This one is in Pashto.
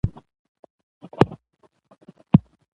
د پوهانو نظریات دې خپاره سي.